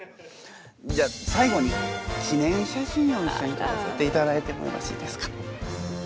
じゃ最後に記念写真を一緒に撮らせていただいてもよろしいですか。